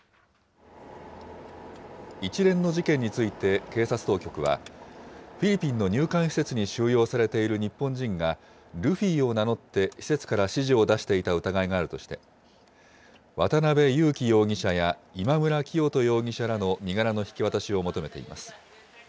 一連の事件について、警察当局は、フィリピンの入管施設に収容されている日本人が、ルフィを名乗って施設から指示を出していた疑いがあるとして、渡邉優樹容疑者や今村磨人容疑者らの身柄の引き渡しを求めています。